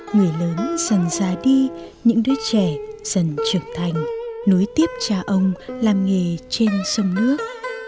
người lớn dần ra đi những đứa trẻ dần trưởng thành nối tiếp cha ông làm nghề trên sông nước